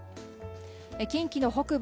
近畿の北部